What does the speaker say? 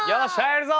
やるぞ！